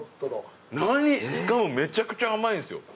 何⁉しかもめちゃくちゃ甘いんですよ。